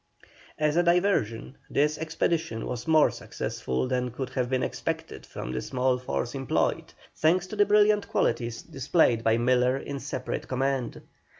As a diversion this expedition was more successful than could have been expected from the small force employed, thanks to the brilliant qualities displayed by Miller in separate command.